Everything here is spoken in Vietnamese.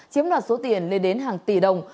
chiếm loạt số tiền lên đến hàng tỷ đồng